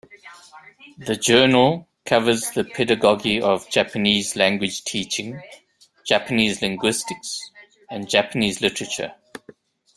The journal covers the pedagogy of Japanese language teaching, Japanese linguistics, and Japanese literature.